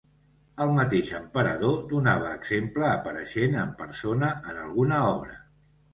El mateix emperador donava exemple apareixent en persona en alguna obra.